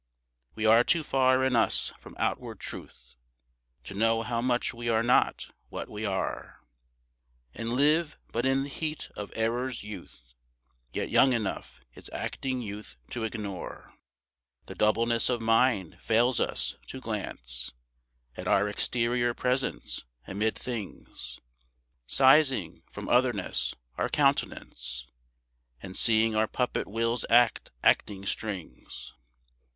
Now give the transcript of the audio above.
We are too far in us from outward truth To know how much we are not what we are, And live but in the heat of error's youth, Yet young enough its acting youth to ignore. The doubleness of mind fails us, to glance At our exterior presence amid things, Sizing from otherness our countenance And seeing our puppet will's act acting strings.